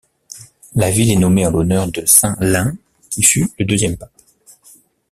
La ville est nommée en l'honneur de Saint Lin, qui fut le deuxième pape.